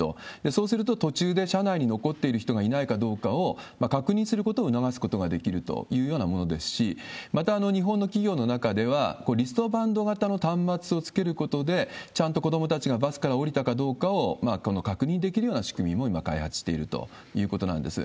そうすると、途中で車内に残っている人がいないかどうかを確認することを促すことができるというようなものですし、また、日本の企業の中では、リストバンド型の端末をつけることで、ちゃんと子どもたちがバスから降りたかどうかを確認できるような仕組みも今、開発しているということなんです。